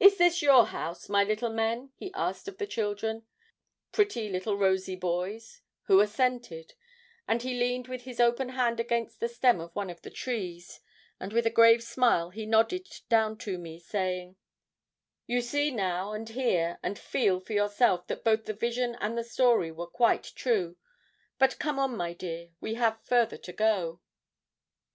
'Is this your house, my little men?' he asked of the children pretty little rosy boys who assented; and he leaned with his open hand against the stem of one of the trees, and with a grave smile he nodded down to me, saying 'You see now, and hear, and feel for yourself that both the vision and the story were quite true; but come on, my dear, we have further to go.'